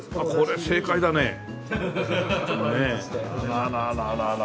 あらららら。